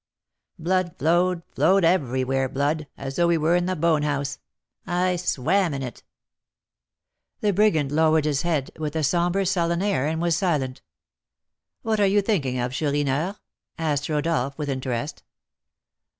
Blood flowed, flowed everywhere, blood, as though we were in the bone house, I swam in it " The brigand lowered his head with a sombre, sullen air, and was silent. "What are you thinking of, Chourineur?" asked Rodolph, with interest.